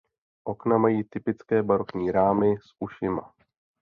Okna mají typické barokní rámy s ušima.